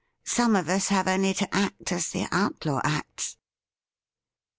Some of us have only to act as the outlaw acts.'